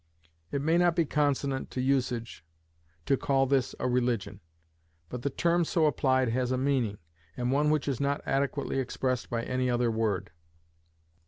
It may not be consonant to usage to call this a religion; but the term so applied has a meaning, and one which is not adequately expressed by any other word.